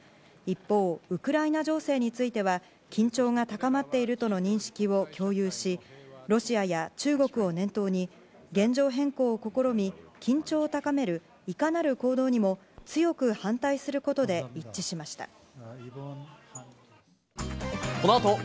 一方、ウクライナ情勢については緊張が高まっているとの認識を共有しロシアや中国を念頭に現状変更を試み緊張を高めるいかなる行動にも強く反対することで一致しました。